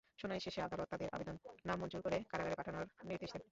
শুনানি শেষে আদালত তাঁদের আবেদন নামঞ্জুর করে কারাগারে পাঠানোর নির্দেশ দেন।